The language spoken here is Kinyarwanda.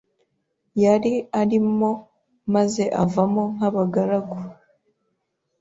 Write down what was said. yari arimo maze avamo nk’abagaragu